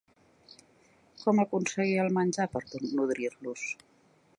Com aconseguia el menjar per nodrir-los?